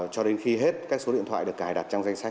cho đến khi hết các số điện thoại được cài đặt trong danh sách